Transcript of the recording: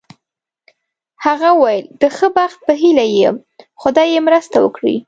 هغه وویل: د ښه بخت په هیله یې یم، خدای یې مرسته وکړي.